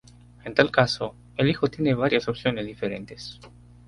En tal caso, el hijo tiene varias opciones diferentes.